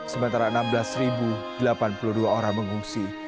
sementara enam belas delapan puluh dua orang mengungsi